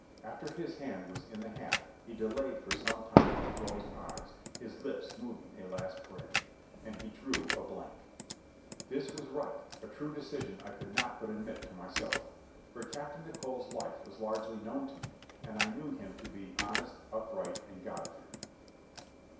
After his hand was in the hat he delayed for some time with closed eyes, his lips moving a last prayer. And he drew a blank. This was right—a true decision I could not but admit to myself; for Captain Nicholl's life was largely known to me and I knew him to be honest, upright, and God fearing.